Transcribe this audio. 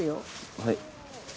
はい。